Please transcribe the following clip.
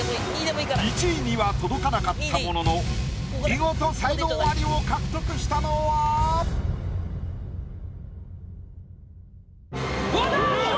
１位には届かなかったものの見事才能アリを獲得したのは⁉和田アキ子！